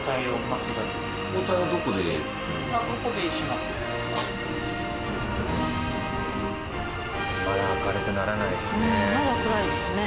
まだ明るくならないですね。